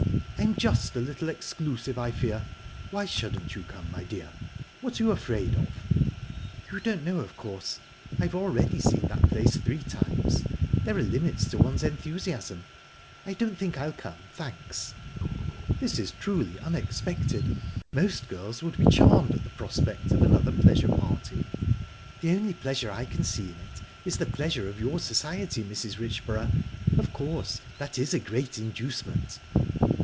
"I'm just a little exclusive, I fear...Why shouldn't you come, my dear? What are you afraid of?" "You don't know, of course I've already seen that place three times. There are limits to one's enthusiasm...I don't think I'll come, thanks!" "This is truly unexpected. Most girls would be charmed at the prospect of another pleasure party." "The only pleasure I can see in it is the pleasure of your society, Mrs. Richborough. Of course, that is a great inducement."